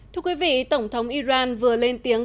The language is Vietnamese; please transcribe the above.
thưa quý vị tổng thống iran vừa lên tiếng